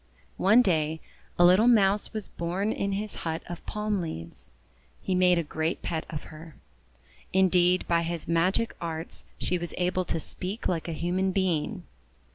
One day a little Mouse was born in his hut of palm leaves. He made a great pet of her. In deed, by his magic arts she was able to speak like a human being.